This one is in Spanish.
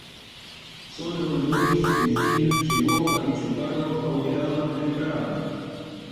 Sólo Louis De Geer llegó a dicho cargo a una edad más temprana.